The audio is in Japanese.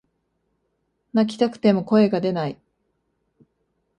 泣きたくても声が出ない